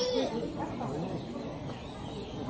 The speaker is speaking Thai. เดินไปแล้ว